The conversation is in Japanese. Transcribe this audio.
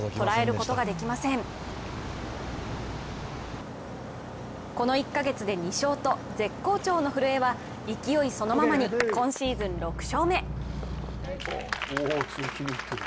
この１カ月で２勝と絶好調の古江は勢いそのままに今シーズン６勝目。